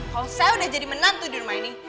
kalau saya udah jadi menantu di rumah ini